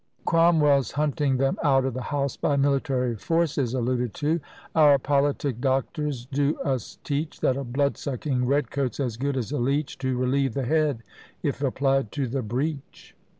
Cromwell's hunting them out of the House by military force is alluded to Our politic doctors do us teach, That a blood sucking red coat's as good as a leech To relieve the head, if applied to the breech.